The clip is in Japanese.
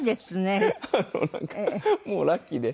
もうラッキーで。